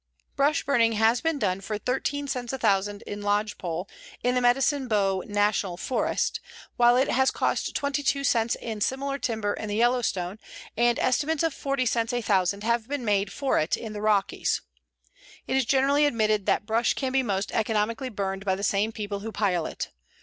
Brush burning has been done for 13 cents a thousand in lodgepole, in the Medicine Bow National Forest, while it has cost 22 cents in similar timber in the Yellowstone, and estimates of 40 cents a thousand have been made for it in the Rockies. It is generally admitted that brush can be most economically burned by the same people who pile it.